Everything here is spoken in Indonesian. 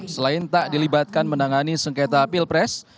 selain tak dilibatkan menangani sengketa pilpres